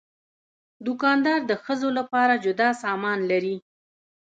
دوکاندار د ښځو لپاره جدا سامان لري.